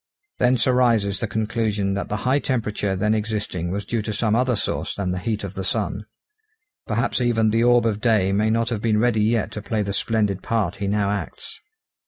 Thence arises the conclusion that the high temperature then existing was due to some other source than the heat of the sun. Perhaps even the orb of day may not have been ready yet to play the splendid part he now acts.